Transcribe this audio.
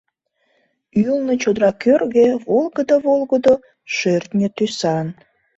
Ӱлнӧ чодыра кӧргӧ волгыдо-волгыдо — шӧртньӧ тӱсан.